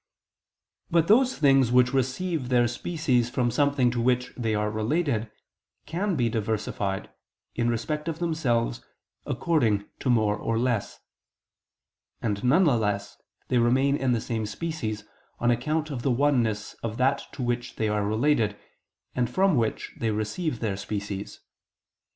But those things which receive their species from something to which they are related, can be diversified, in respect of themselves, according to more or less: and nonetheless they remain in the same species, on account of the oneness of that to which they are related, and from which they receive their species.